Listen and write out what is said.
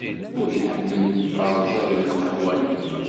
Ur iḥumel terẓeg n lqahwa-nni